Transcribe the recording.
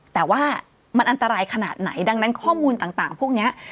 แต่ว่ามันอันตรายขนาดไหนดังนั้นข้อมูลต่างพวกนี้